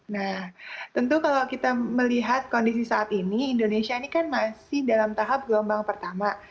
nah tentu kalau kita melihat kondisi saat ini indonesia ini kan masih dalam tahap gelombang pertama